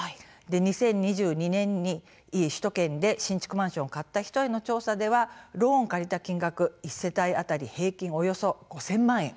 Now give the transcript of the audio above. ２０２２年に首都圏で新築マンションを買った人への調査では、ローンを借りた金額１世帯当たり平均およそ５０００万円。